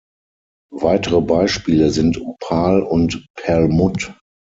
Weitere Beispiele sind Opal und Perlmutt.